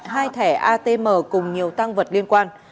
hai thẻ atm cùng nhiều tăng vật liên quan